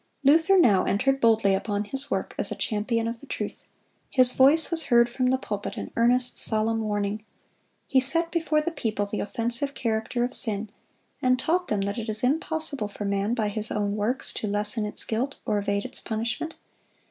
(175) Luther now entered boldly upon his work as a champion of the truth. His voice was heard from the pulpit in earnest, solemn warning. He set before the people the offensive character of sin, and taught them that it is impossible for man, by his own works, to lessen its guilt or evade its punishment.